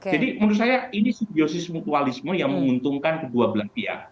jadi menurut saya ini simbiosis mutualisme yang menguntungkan kedua belah pihak